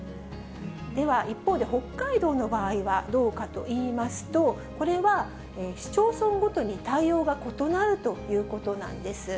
では一方で、北海道の場合はどうかといいますと、これは市町村ごとに対応が異なるということなんです。